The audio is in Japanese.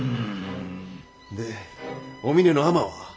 でお峰のアマは？